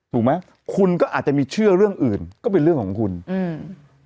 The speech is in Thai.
ถูกไหมคุณก็อาจจะมีเชื่อเรื่องอื่นก็เป็นเรื่องของคุณอืม